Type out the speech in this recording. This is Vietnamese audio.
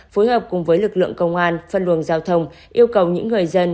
phối hợp cùng với lực lượng công an phân luồng giao thông yêu cầu những người dân